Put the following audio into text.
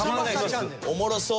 おもろそう。